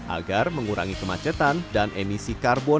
agar mengurangi kemacetan dan emisi karbon